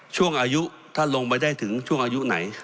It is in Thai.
ช่วงอายุท่านลงไปได้ถึงช่วงอายุไหน